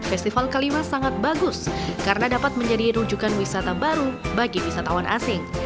festival kaliwas sangat bagus karena dapat menjadi rujukan wisata baru bagi wisatawan asing